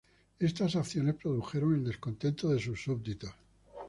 Éstas acciones produjeron el descontento de sus súbditos.